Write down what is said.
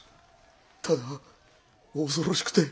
ただ恐ろしくて。